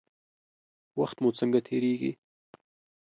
وخت مو څنګه تیریږي؟